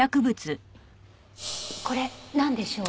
これなんでしょう？